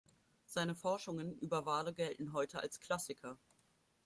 Seine Forschungen über Wale gelten heute als Klassiker.